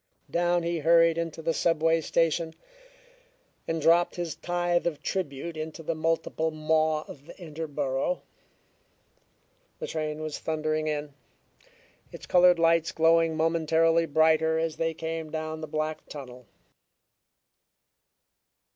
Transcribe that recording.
Down he hurried into the subway station, and dropped his tithe of tribute into the multiple maw of the Interborough. The train was thundering in, its colored lights growing momentarily brighter as they came down the black tunnel.